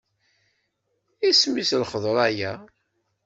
Isem-is i lxeḍra-ya?